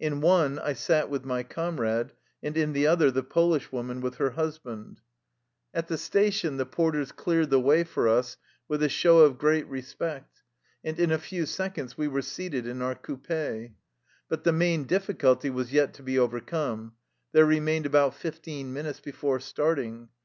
In one I sat with my comrade, and in the other the Polish woman with her husband. 235 THE LIFE STOKY OF A RUSSIAN EXILE At the station the porters cleared the way for us with a show of great respect, and in a few seconds we were seated in our coupe. But the main difficulty was yet to be overcome. There remained about fifteen minutes before starting.